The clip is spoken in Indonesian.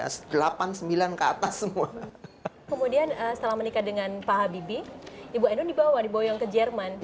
kemudian setelah menikah dengan pak habibie ibu ainun dibawa dibawa yang ke jerman